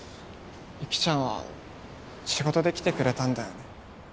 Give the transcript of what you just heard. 雪ちゃんは仕事で来てくれたんだよね。